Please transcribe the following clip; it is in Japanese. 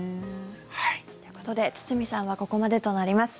ということで堤さんはここまでとなります。